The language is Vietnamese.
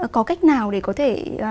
có cách nào để có thể